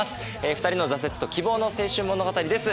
２人の挫折と希望の青春物語です